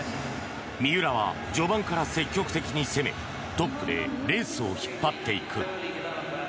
三浦は序盤から積極的に攻めトップでレースを引っ張っていく。